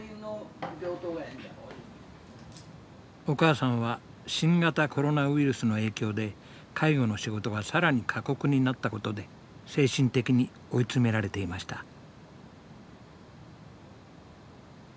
お母さんは新型コロナウイルスの影響で介護の仕事が更に過酷になったことで精神的に追い詰められていました。